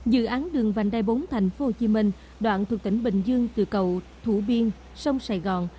dự án đường vành đai bốn tp hcm đoạn thuộc tỉnh bình dương từ cầu thủ biên sông sài gòn